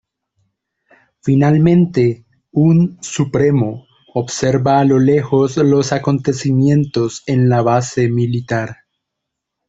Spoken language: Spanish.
Finalmente, un "Supremo" observa a lo lejos los acontecimientos en la base militar.